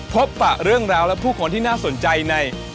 ปะเรื่องราวและผู้คนที่น่าสนใจใน